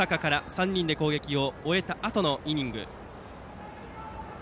３人で攻撃を終えたあとのイニングですが。